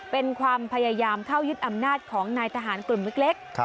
เป็นความพยายามเข้ายึดอำนาจของนายทหารกลุ่มเล็ก